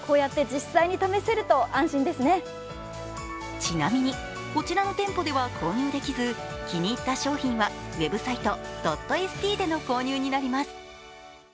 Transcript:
ちなみにこちらの店舗では購入できず、気に入った商品はウェブサイトドットエスティでの購入になります。